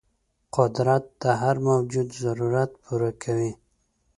قدرت د هر موجود ضرورت پوره کوي.